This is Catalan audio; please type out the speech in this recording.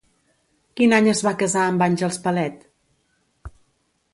Quin any es va casar amb Àngels Palet?